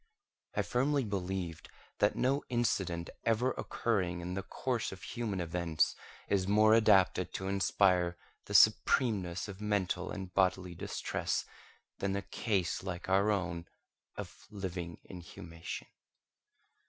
I firmly believed that no incident ever occurring in the course of human events is more adapted to inspire the supremeness of mental and bodily distress than a case like our own, of living inhumation.